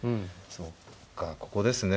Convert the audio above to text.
そっかここですね。